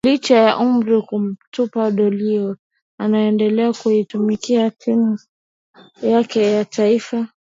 Licha ya umri kumtupa Ronaldo anaendelea kuitumikia timu yake ya taifa